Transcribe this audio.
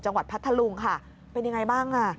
จังหวัดพัทธรุงค่ะเป็นยังไงบ้าง